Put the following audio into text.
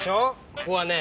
ここはね